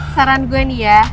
saran gue nih ya